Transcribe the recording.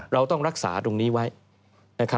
เราต้องรักษาตรงนี้ไว้